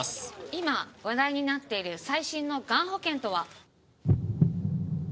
今話題になっている最新のがん保険とは？